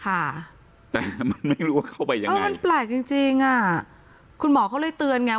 ค่ะแต่มันไม่รู้ว่าเข้าไปยังไงมันแปลกจริงจริงอ่ะคุณหมอเขาเลยเตือนไง